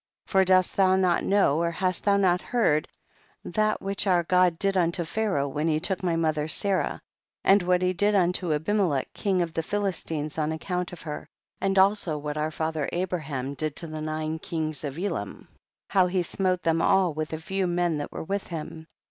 35. For dost thou not know, or hast thou not heard that which our God did unto Pharaoh when he took my mother Sarah, and what he did unto Abimelech king of the Philis tines on account of her, and also what our father Abraham did unto the nine kings of Elam, how he smote them all with a few men that were with him